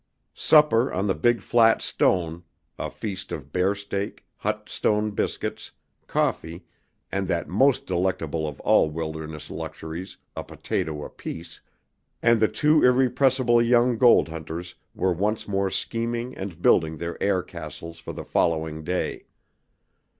Supper on the big flat stone a feast of bear steak, hot stone biscuits, coffee, and that most delectable of all wilderness luxuries, a potato apiece, and the two irrepressible young gold hunters were once more scheming and building their air castles for the following day.